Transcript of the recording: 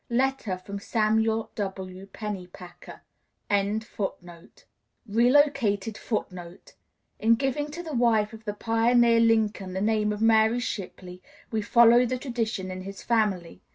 (Letter from Samuel W. Pennypacker.)] [Relocated Footnote: In giving to the wife of the pioneer Lincoln the name of Mary Shipley we follow the tradition in his family.